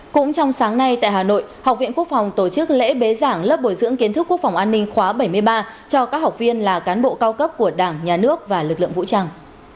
cũng trong sáng nay tại hà nội học viện quốc phòng tổ chức lễ bế giảng lớp bồi dưỡng kiến thức quốc phòng an ninh khóa bảy mươi ba cho các học viên là cán bộ cao cấp của đảng nhà nước và lực lượng vũ trang